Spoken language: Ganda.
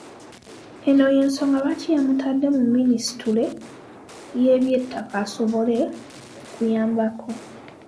Eno y’ensonga lwaki yamutadde mu Minisitule y’ebyettaka asobole okuyambako.